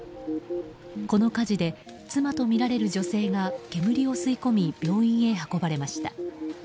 この火事で妻とみられる女性が煙を吸い込み病院へ運ばれました。